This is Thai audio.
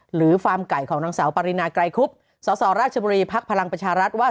ฟาร์มไก่ของนางสาวปรินาไกรคุบสสราชบุรีภักดิ์พลังประชารัฐว่า